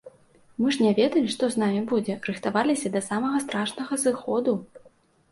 Мы ж не ведалі што з намі будзе, рыхтаваліся да самага страшнага зыходу.